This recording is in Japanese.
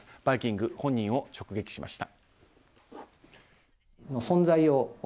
「バイキング」本人を直撃しました。